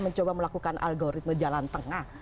mencoba melakukan algoritme jalan tengah